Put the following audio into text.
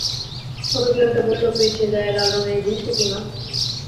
ছোটো বিড়ালটা বলল, পিরচের গায়ে লাল রঙের এই জিনিসটা কী মা?